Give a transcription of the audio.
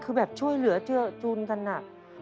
คือแบบช่วยเหลือเจอจูนกันอะ